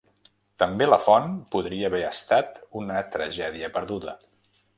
També la font podria haver estat una tragèdia perduda.